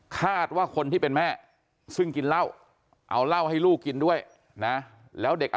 คาดว่าคนที่เป็นแม่ซึ่งกินเหล้า